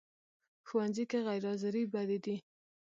ښوونځی کې غیر حاضرې بدې دي